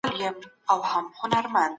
تاريخي څېړنه ډېره مهمه ګڼل کيږي.